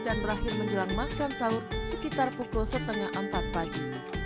dan berakhir menjelang makan sahur sekitar pukul setengah empat pagi